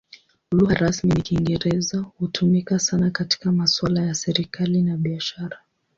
Lugha rasmi ni Kiingereza; hutumika sana katika masuala ya serikali na biashara.